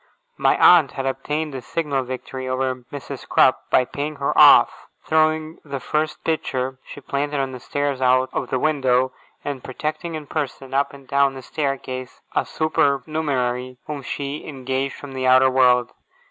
My aunt had obtained a signal victory over Mrs. Crupp, by paying her off, throwing the first pitcher she planted on the stairs out of window, and protecting in person, up and down the staircase, a supernumerary whom she engaged from the outer world.